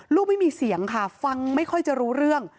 ลูกไม่มีเสียงค่ะฟังไม่ค่อยจะรู้เรื่อง